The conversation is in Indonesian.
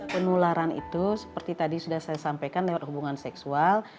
penularan itu seperti tadi sudah saya sampaikan lewat hubungan seksual